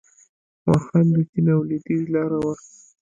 واخان د چین او لویدیځ لاره وه